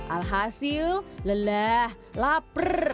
alhasil lelah lapar